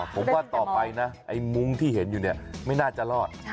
ก็ถามไปนะไอ้มุ้งที่เห็นไม่น่าจะรอด